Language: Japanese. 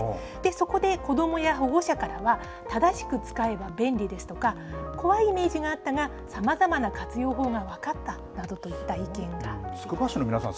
そこで子どもや保護者からは正しく使えば便利ですとか怖いイメージがあったがさまざまな活用法が分かったつくば市の皆さん